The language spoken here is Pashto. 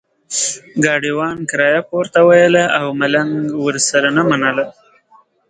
ګاډیوان کرایه پورته ویله او ملنګ ورسره نه منله.